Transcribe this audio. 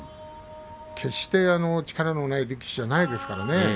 決して力のない力士ではないですからね。